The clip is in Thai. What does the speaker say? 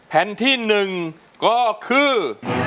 แผ่นที่๑ก็คือ